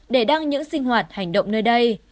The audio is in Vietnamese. để đăng những sinh hoạt hành động nơi đây